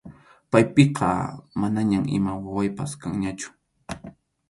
Paypiqa manañam ima wawaypas kanñachu.